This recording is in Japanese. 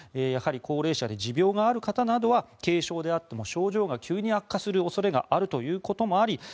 やはり高齢者で持病者がある場合は軽症であっても症状が急に悪化する恐れがあるということもあり